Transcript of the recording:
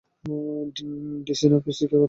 DC না PC, কে পাত্তা দেয়?